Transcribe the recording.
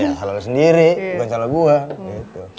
ya salah lo sendiri bukan salah gue